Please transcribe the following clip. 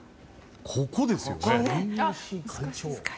ここですよね。